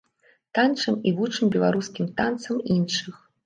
Танчым і вучым беларускім танцам іншых.